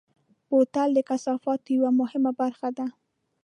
بوتل د کثافاتو یوه مهمه برخه ده.